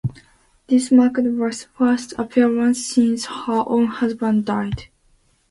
This marked Bassey's first appearance since her own husband died.